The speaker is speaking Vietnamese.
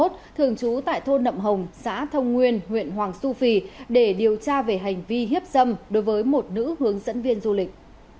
thường trú tại thôn nậm hồng xã thông nguyên huyện hoàng su phi để điều tra về hành vi hiếp dâm đối với một nữ hướng dẫn viên du lịch